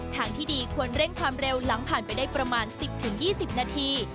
ทางที่ดีควรเร่งความเร็วหลังผ่านไปได้ประมาณ๑๐๒๐นาที